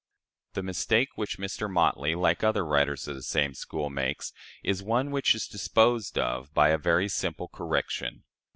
" The mistake which Mr. Motley like other writers of the same school makes is one which is disposed of by a very simple correction.